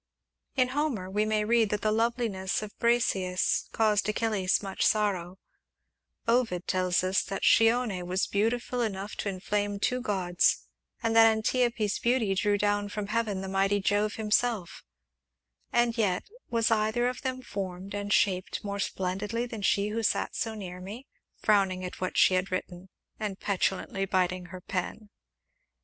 In Homer we may read that the loveliness of Briseis caused Achilles much sorrow; Ovid tells us that Chione was beautiful enough to inflame two gods, and that Antiope's beauty drew down from heaven the mighty Jove himself; and yet, was either of them formed and shaped more splendidly than she who sat so near me, frowning at what she had written, and petulantly biting her pen?